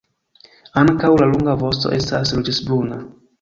Ankaŭ la longa vosto estas ruĝecbruna.